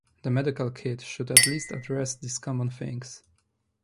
The medical kit should at least address these common things.